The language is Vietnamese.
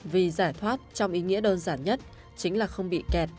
vì giải thoát trong ý nghĩa đơn giản nhất chính là không bị kẹt